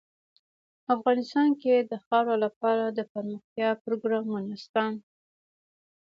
افغانستان کې د خاوره لپاره دپرمختیا پروګرامونه شته.